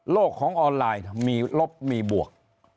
ของออนไลน์มีลบมีบวก